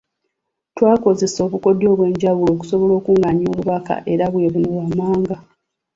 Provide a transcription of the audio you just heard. Twakozesa obukodyo obw'enjawulo okusobola okukungaanya obubaka era nga bwe buno wammanga.